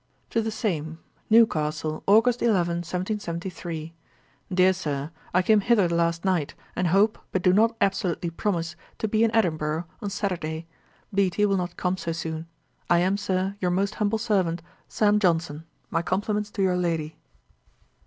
TO THE SAME. 'Newcastle, Aug. 11, 1771. 'DEAR SIR, 'I came hither last night, and hope, but do not absolutely promise, to be in Edinburgh on Saturday. Beattie will not come so soon. I am, Sir, 'Your most humble servant, 'SAM. JOHNSON.' 'My compliments to your lady.'